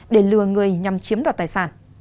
để lừa người nhằm chiếm đoạt tài sản